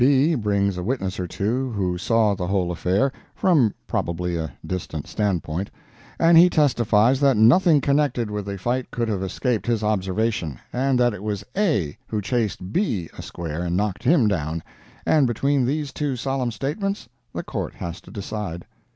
B brings a witness or two who saw the whole affair, from probably a distant standpoint, and he testifies that nothing connected with the fight could have escaped his observation, and that it was A who chased B a square and knocked him down, and between these two solemn statements the Court has to decide.